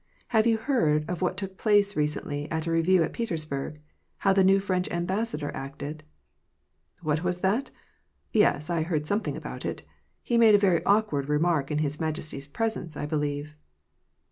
" Have you heard of what took place recently at a review at Petersburg ?— How the new French ambassador acted ?"" What was that ? Yes, I heard something about it. He made a very awkward remaik in his majesty's presence, I believe."